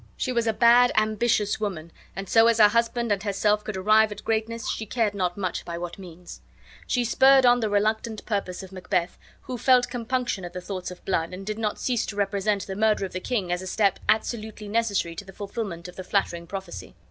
She was a bad, ambitious woman, and so as her husband and herself could arrive at greatness she cared not much by what means. She spurred on the reluctant purpose of Macbeth, who felt compunction at the thoughts of blood, and did not cease to represent the murder of the king as a step absolutely necessary to the fulfilment of the flattering prophecy.